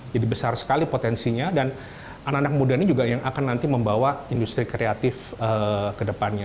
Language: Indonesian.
besar sekali potensinya dan anak anak muda ini juga yang akan nanti membawa industri kreatif ke depannya